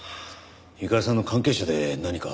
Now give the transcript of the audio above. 友加里さんの関係者で何か？